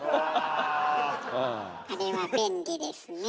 あれは便利ですねえ。